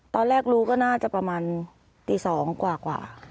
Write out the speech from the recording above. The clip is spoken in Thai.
ตอนแรกรู้ก็น่าจะประมาณตี๒กว่า